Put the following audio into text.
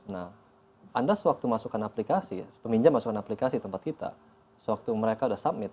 nah anda sewaktu masukkan aplikasi peminjam masukkan aplikasi tempat kita sewaktu mereka sudah summit